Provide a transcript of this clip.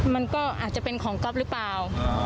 มันก็อาจจะเป็นของก๊อฟหรือเปล่า